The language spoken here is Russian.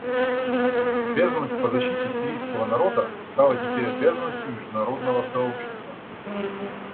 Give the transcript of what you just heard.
Обязанность по защите сирийского народа стала теперь обязанностью международного сообщества.